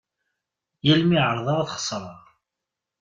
Yal mi εerḍeɣ ad xesreɣ.